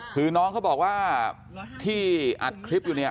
คือน้องเขาบอกว่าที่อัดคลิปอยู่เนี่ย